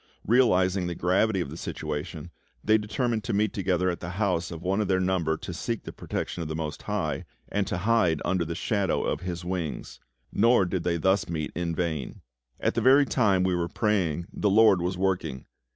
Realising the gravity of the situation, they determined to meet together at the house of one of their number to seek the protection of the Most High, and to hide under the shadow of His wings. Nor did they thus meet in vain. At the very time we were praying the LORD was working.